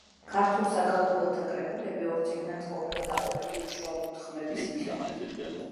ქართულ საგალობელთა კრებულები ორ წიგნად ყოფილა დაყოფილი უშუალოდ ხმების მიხედვით.